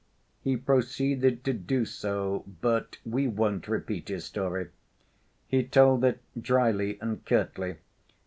He proceeded to do so, but we won't repeat his story. He told it dryly and curtly.